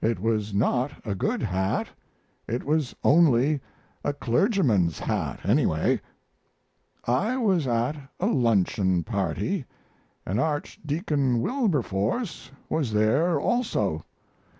It was not a good hat it was only a clergyman's hat, anyway. I was at a luncheon party and Archdeacon Wilberforce was there also.